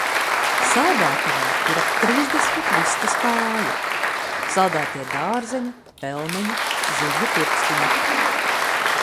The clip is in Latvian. Saldētavā ir ap trīsdesmit vistas kāju. Saldētie dārzeņi, pelmeņi, zivju pirkstiņi.